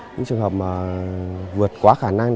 trường hợp vượt quá khả năng